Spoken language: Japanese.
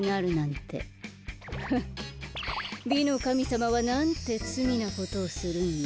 フッ美のかみさまはなんてつみなことをするんだ。